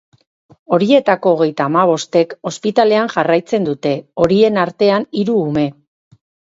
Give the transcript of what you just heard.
Horietako hogeita hamabostek ospitalean jarraitzen dute, horien artean hiru ume.